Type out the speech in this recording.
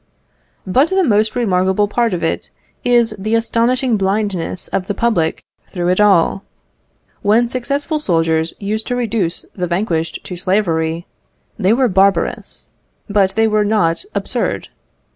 But the most remarkable part of it is the astonishing blindness of the public through it all. When successful soldiers used to reduce the vanquished to slavery, they were barbarous, but they were not absurd.